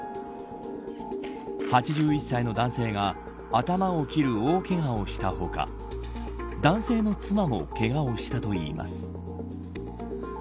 ８１歳の男性が頭を切る大けがをした他男性の妻もけがをしたといいます。